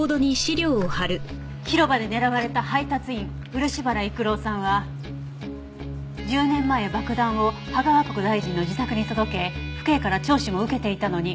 広場で狙われた配達員漆原育郎さんは１０年前爆弾を芳賀和香子大臣の自宅に届け府警から聴取も受けていたのに。